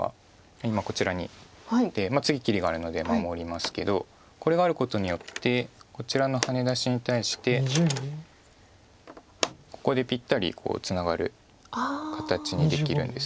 今こちらに打って次切りがあるので守りますけどこれがあることによってこちらのハネ出しに対してここでぴったりツナがる形にできるんですよね。